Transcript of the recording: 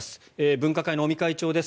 分科会の尾身会長です。